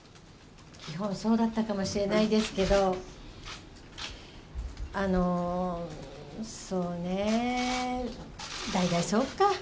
基本そうだったかもしれないですけど、そうね、大体そうか。